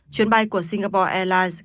chuyến bay của singapore đã bị thương nhẹ